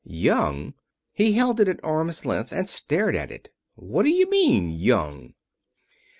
"Young!" He held it at arm's length and stared at it. "What d'you mean young?"